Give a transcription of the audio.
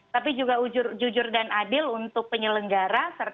tapi juga jujur dan adil untuk penyelenggara dan juga untuk pemilu